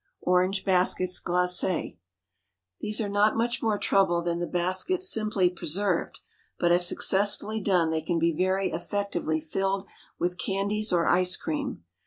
Orange Baskets Glacé. These are not much more trouble than the baskets simply preserved, but if successfully done they can be very effectively filled with candies or ice cream.